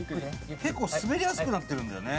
結構滑りやすくなってるんだよね。